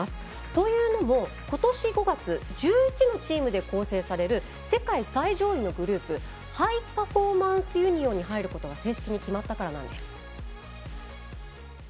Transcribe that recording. というのも、今年５月１１のチームで構成される世界最上位のグループハイパフォーマンスユニオンに入ることが正式に決まったからなんです。